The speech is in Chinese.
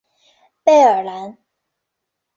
贝尔兰。